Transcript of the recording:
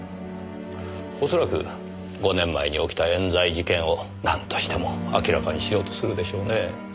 恐らく５年前に起きた冤罪事件をなんとしても明らかにしようとするでしょうね。